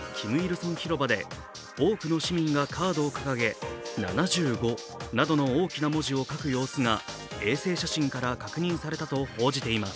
成広場で多くの市民がカードを掲げ「７５」などの大きな文字を書く様子が衛星写真から確認されたと報じています。